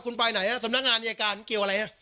คุณไปไหนอ่ะสำนักงานนิยาการเกี่ยวอะไรอ่ะ